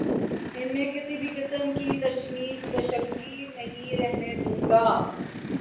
ان میں کسی بھی قسم کی تشنگی نہیں رہنے دوں گا